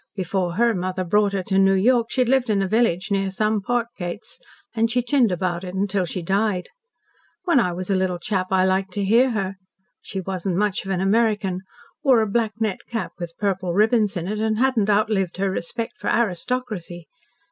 Before her mother brought her to New York she'd lived in a village near some park gates, and she chinned about it till she died. When I was a little chap I liked to hear her. She wasn't much of an American. Wore a black net cap with purple ribbons in it, and hadn't outlived her respect for aristocracy.